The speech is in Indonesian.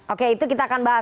oke itu kita akan bahas